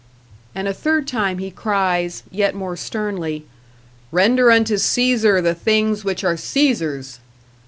And a third time he cries, yet more sternly, "Render unto Caesar the things which are Caesar's!"